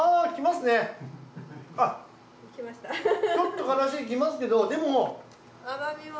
ちょっとからしきますけどでも。